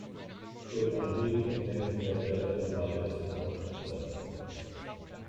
Durch ein Heben und Senken der Blätter vermeidet es jedoch ein Untertauchen.